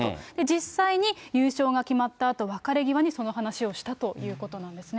実際に優勝が決まったあと、別れ際にその話をしたということなんですね。